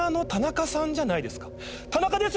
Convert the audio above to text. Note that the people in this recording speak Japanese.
田中です！